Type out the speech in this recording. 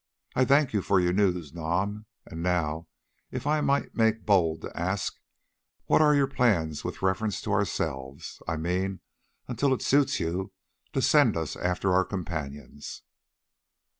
I thank you for your news, Nam, and now, if I might make bold to ask it, what are your plans with reference to ourselves—I mean until it suits you to send us after our companions?"